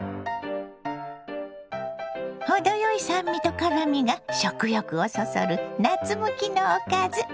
程よい酸味と辛みが食欲をそそる夏向きのおかず。